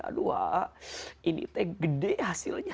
aduh ini teh gede hasilnya